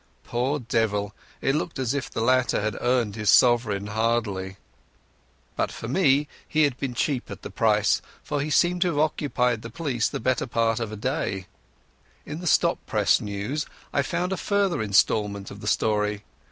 Poor devil, it looked as if the latter had earned his sovereign hardly; but for me he had been cheap at the price, for he seemed to have occupied the police for the better part of the day. In the latest news I found a further instalment of the story.